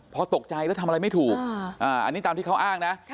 พอตกใจแล้วทำอะไรไม่ถูกอันนี้ตามที่เขาอ้างนะ